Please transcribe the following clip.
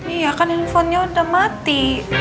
iya kan handphonenya udah mati